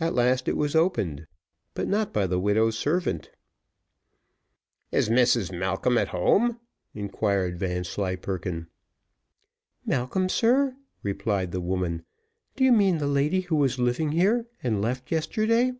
At last it was opened, but not by the widow's servant. "Is Mrs Malcolm at home?" inquired Vanslyperken. "Malcolm, sir!" replied the woman; "do you mean the lady who was living here, and left yesterday?"